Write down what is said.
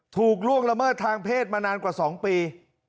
ล่วงละเมิดทางเพศมานานกว่า๒ปี